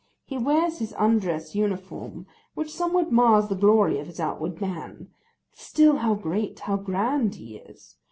He wears his undress uniform, which somewhat mars the glory of his outward man; but still how great, how grand, he is!